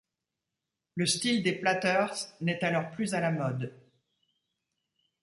Le style des Platters n'est alors plus à la mode.